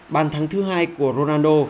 bàn thắng thứ hai của ronaldo